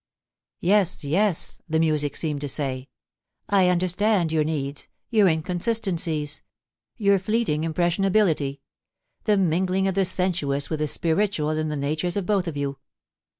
* Yes, yes,' the music seemed to say, *I understand your needs, your inconsistencies, your fleeting impressionability — the mingling of the sensuous with the spiritual in the natures of both of you.